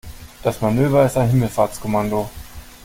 Das Manöver ist ein Himmelfahrtskommando.